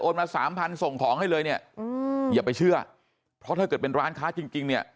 มาสามพันส่งของให้เลยเนี่ยอย่าไปเชื่อเพราะถ้าเกิดเป็นร้านค้าจริงจริงเนี่ย